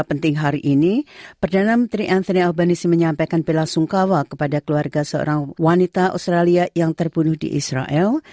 pertama perdana menteri anthony albanese menyampaikan bela sungkawa kepada keluarga seorang wanita australia yang terbunuh di israel